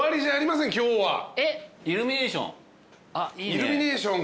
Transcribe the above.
イルミネーション？